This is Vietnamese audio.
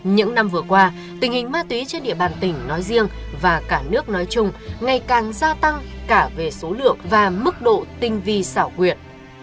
những năm vừa qua tình hình ma túy trên địa bàn tỉnh nói riêng và cả nước nói chung ngày càng gia tăng cả về số lượng và mức độ tinh vi xảo quyệt